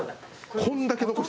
こんだけ残して。